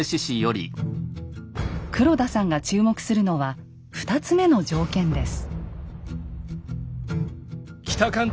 黒田さんが注目するのは２つ目の条件です。